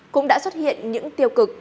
cũng đã xuất hiện những tiêu cực